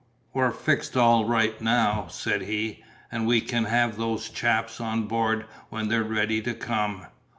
"We're fixed all right now," said he, "and we can have those chaps on board when they're ready to come."